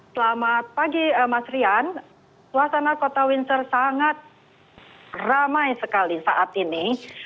selamat pagi mas rian suasana kota windsor sangat ramai sekali saat ini